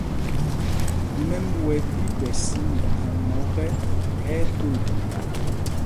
Mɛm wɛ̄ ɗí ɓɛ̌ sī mitháŋá ɔ́kɛ, ɛ́ ɛ́ kūl.